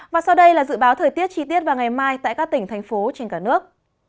và sau đây là dự báo thời tiết chi tiết vào ngày mai tại các tỉnh thành phố trên cả nước